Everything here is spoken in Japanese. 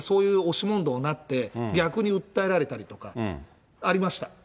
これね、僕の演説でもやっぱりそういう押し問答になって、逆に訴えられたりとかありました。